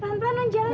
pelan pelan menjalani